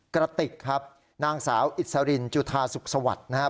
กระติกครับนางสาวอิสรินจุธาสุขสวัสดิ์นะครับ